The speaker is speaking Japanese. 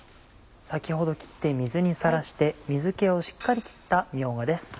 先ほど切って水にさらして水気をしっかり切ったみょうがです。